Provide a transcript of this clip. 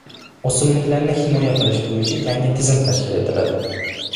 O‘simliklarni himoya qilish bo‘yicha yangi tizim tashkil etiladi